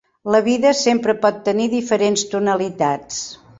La vida sempre pot tenir diferents tonalitats.